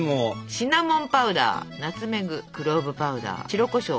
シナモンパウダーナツメグクローブパウダー白コショウ。